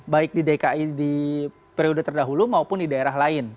baik di dki di periode terdahulu maupun di daerah lain